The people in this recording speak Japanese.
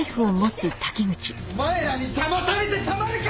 お前らに邪魔されてたまるか！